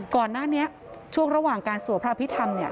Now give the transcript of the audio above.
ก่อนหน้านี้ช่วงระหว่างการสวดพระอภิษฐรรมเนี่ย